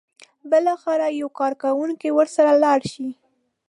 بالاخره یو کارکوونکی ورسره لاړ شي.